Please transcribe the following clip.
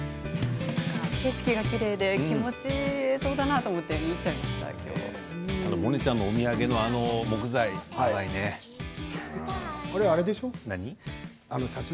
景色がきれいで気持ちがいい映像だなと思ってモネちゃんのお土産の木材、あれでしょう？